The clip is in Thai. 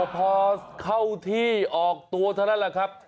พอเข้าที่ออกตัวเท่านั้นแหละครับ